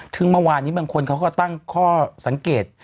เมื่อวานนี้บางคนเขาก็ตั้งข้อสังเกต